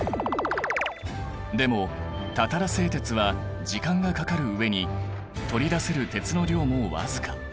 でもたたら製鉄は時間がかかる上に取り出せる鉄の量も僅か。